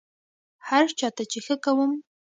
هر چا ته چې ښه کوم،